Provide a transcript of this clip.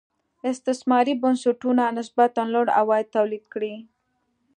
استثماري بنسټونو نسبتا لوړ عواید تولید کړي.